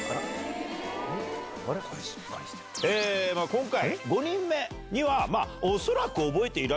今回。